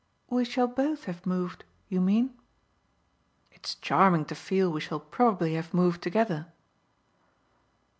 "We shall both have moved, you mean?" "It's charming to feel we shall probably have moved together."